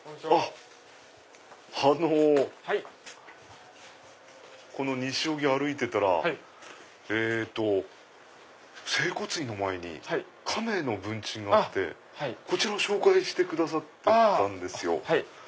あのこの西荻歩いてたらえっと整骨院の前にカメの文鎮があってこちらを紹介してくださってたんですよ。